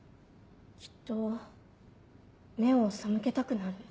きっと目を背けたくなる。